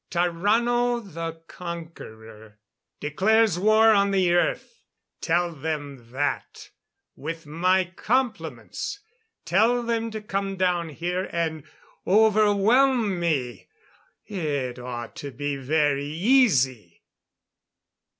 Tarrano the Conqueror declares war on the Earth! Tell them that, with my compliments. Tell them to come down here and overwhelm me it ought to be very easy!"